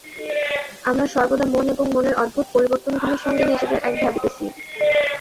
আমরা সর্বদা মন এবং মনের অদ্ভুত পরিবর্তনগুলির সঙ্গে নিজেদের এক ভাবিতেছি।